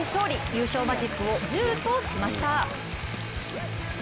優勝マジックを１０としました。